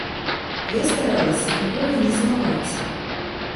Я старалася нікога не злаваць.